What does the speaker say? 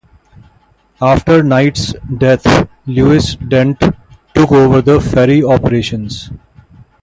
After Knight's death, Lewis Dent took over the ferry operations.